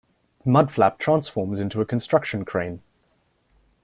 Mudflap transforms into a construction crane.